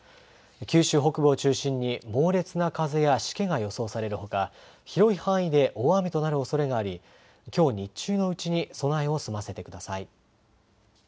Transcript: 九州北部を中心に猛烈な風やしけが予想されるほか、広い範囲で大雨となるおそれがありきょう日中のうちに備えを済ませてください。